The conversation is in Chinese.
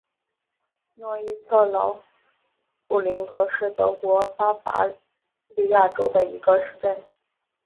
诺伊特劳布林格是德国巴伐利亚州的一个市镇。